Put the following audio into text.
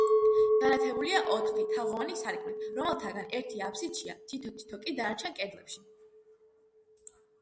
განათებულია ოთხი, თაღოვანი სარკმლით, რომელთაგან ერთი აფსიდშია, თითო-თითო კი დანარჩენი კედლებში.